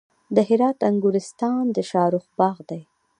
د هرات انګورستان د شاهرخ باغ دی